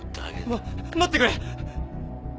ま待ってくれ！